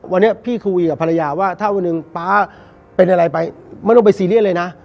วันนี้พี่คุยกับภรรยาว่าถ้าวันหนึ่งป๊าเป็นอะไรไปไม่ต้องไปซีเรียสเลยนะ